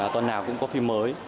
tuần nào cũng có phim mới